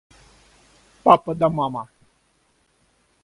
Папа да мама.